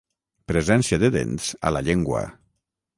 Presència de dents a la llengua.